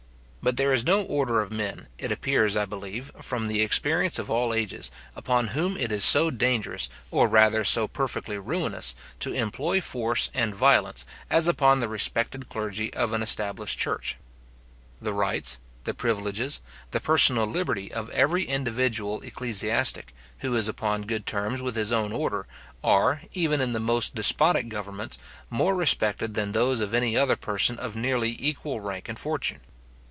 But there is no order of men, it appears I believe, from the experience of all ages, upon whom it is so dangerous or rather so perfectly ruinous, to employ force and violence, as upon the respected clergy of an established church. The rights, the privileges, the personal liberty of every individual ecclesiastic, who is upon good terms with his own order, are, even in the most despotic governments, more respected than those of any other person of nearly equal rank and fortune.